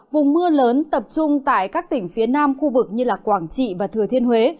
vùng mưa lớn tập trung tại các tỉnh phía nam khu vực như quảng trị và thừa thiên huế